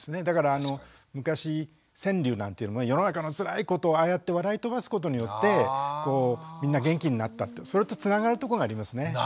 だから昔川柳なんていうのは世の中のつらいことをああやって笑い飛ばすことによってみんな元気になったってそれとつながるとこがありますね。